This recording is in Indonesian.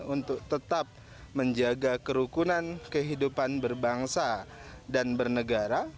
untuk tetap menjaga kerukunan kehidupan berbangsa dan bernegara